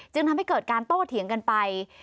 ทำให้เกิดการโต้เถียงกันไป